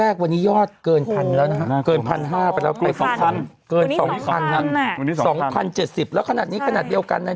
สองพันเศษสิบแล้วขนาดนี้ขนาดเดียวกันไหน